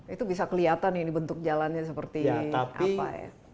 itu bisa kelihatan ini bentuk jalannya seperti apa ya